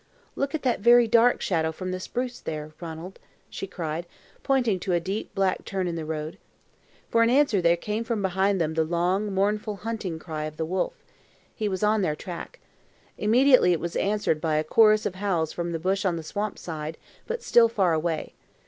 "Look at that very dark shadow from the spruce there, Ranald," she cried, pointing to a deep, black turn in the road. For answer there came from behind them the long, mournful hunting cry of the wolf. He was on their track. Immediately it was answered by a chorus of howls from the bush on the swamp side, but still far away.